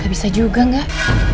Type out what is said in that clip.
gak bisa juga gak